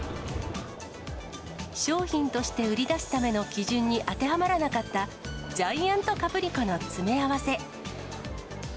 商品として売り出すための基準に当てはまらなかったジャイアントカプリコの詰め合わせ。